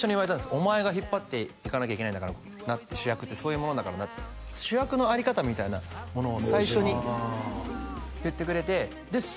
お前が引っ張っていかなきゃいけないんだからなって主役ってそういうものだからなって主役の在り方みたいなものを最初に言ってくれてです